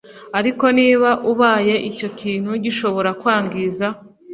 ariko niba ubaye icyo kintu gishobora kwangiza